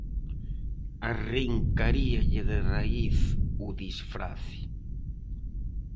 Arrincaríalle de raíz o disfrace.